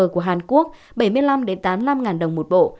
của hàn quốc bảy mươi năm tám mươi năm ngàn đồng một bộ